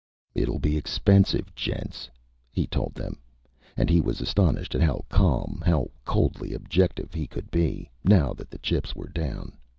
"It'll be expensive, gents," he told them. And he was astonished at how calm, how coldly objective he could be, now that the chips were down.